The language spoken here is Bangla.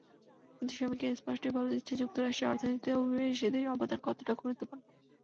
কিন্তু সমীক্ষা স্পষ্টই বলে দিচ্ছে, যুক্তরাষ্ট্রের অর্থনীতিতে অভিবাসীদের অবদান কতটা গুরুত্বপূর্ণ।